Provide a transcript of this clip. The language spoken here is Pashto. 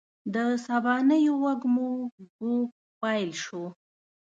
د سبانیو وږمو ږوږ پیل شو